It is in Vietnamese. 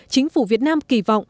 chính phủ việt nam kỳ vọng